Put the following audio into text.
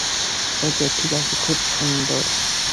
ওকে, ঠিক আছে, খুব শোন্দর!